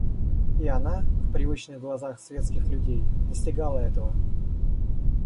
И она в привычных глазах светских людей достигала этого.